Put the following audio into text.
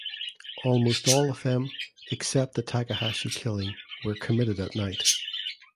Almost all of them (except the Takahashi killing) were committed at night.